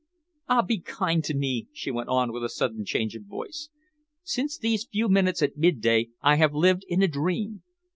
Ah, be kind to me!" she went on, with a sudden change of voice. "Since these few minutes at midday I have lived in a dream.